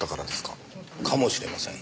かもしれません。